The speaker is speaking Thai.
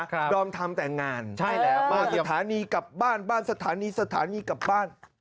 ครับดอมทำแต่งงานสถานีกลับบ้านบ้านสถานีสถานีกลับบ้านใช่แล้ว